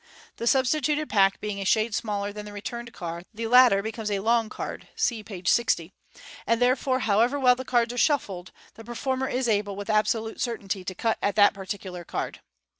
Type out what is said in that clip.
The substi tuted pack being a shade smaller than the returned card, the latter becomes a " long " card {see page 6c) * and therefor©. bowe«"»« well th© MODERN MAGIC. 457 cards are shuffled, the performer is able, with absolute certainty, to cut at that particular card.